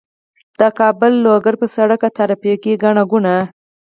د کابل- لوګر په سړک ترافیکي ګڼه ګوڼه